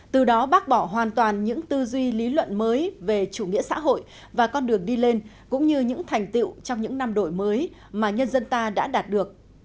từ đó bác bỏ hoàn toàn những tư duy lý luận mới về chủ nghĩa xã hội và con đường đi lên cũng như những thành tiệu trong những năm đổi mới mà nhân dân ta đã đạt được